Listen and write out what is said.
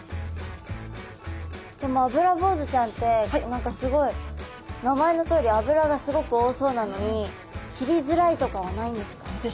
でもアブラボウズちゃんって何かすごい名前のとおり脂がすごく多そうなのに切りづらいとかはないんですか？